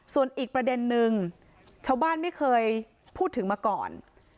ส่วนอีกประเด็นนึงชาวบ้านไม่เคยพูดถึงมาก่อน